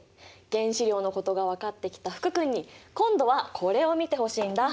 原子量のことが分かってきた福君に今度はこれを見てほしいんだ。